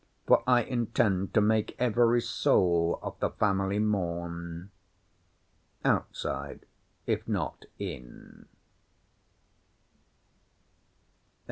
For I intend to make every soul of the family mourn—outside, if not in.